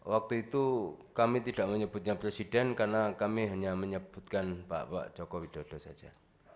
waktu itu kami tidak menyebutnya presiden karena kami hanya menyebutkan pak joko widodo saja